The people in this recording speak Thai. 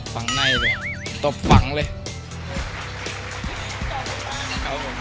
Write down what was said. ฝั่งในเลยตบฝังเลย